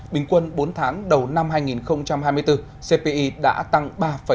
bình quân bốn tháng đầu năm hai nghìn hai mươi bốn cpi đã tăng ba chín mươi ba